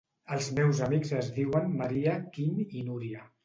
Els meus amics es diuen Maria, Quim i Núria.